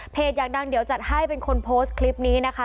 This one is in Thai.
อยากดังเดี๋ยวจัดให้เป็นคนโพสต์คลิปนี้นะคะ